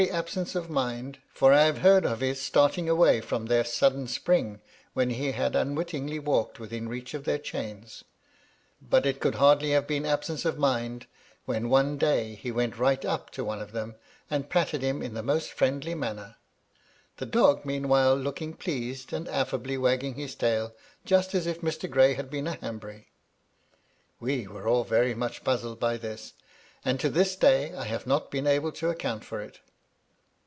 absence of mind, for I have heard of his starting away from their sudden spring when he had imwit tingly walked within reach of their chains ; but it could hardly have been absence of mind, when one day he went right up to one of them, and patted him in the most friendly manner, the dog meanwhile look ing pleased, and afiably wagging his tail, just as if Mr. Gray had been a Hanbury, We were all very much puzzled by this, and to this day I have not been able to account for it.